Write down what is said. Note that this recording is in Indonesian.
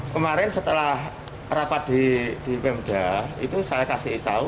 kemarin setelah rapat di pemda itu saya kasih tahu